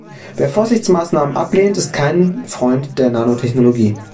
Wer Vorsichtsmaßnahmen ablehnt, ist kein Freund der Nanotechnologie.